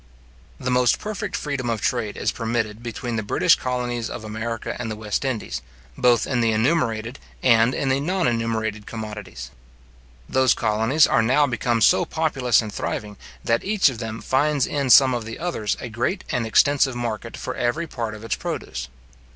The most perfect freedom of trade is permitted between the British colonies of America and the West Indies, both in the enumerated and in the non enumerated commodities Those colonies are now become so populous and thriving, that each of them finds in some of the others a great and extensive market for every part of its produce.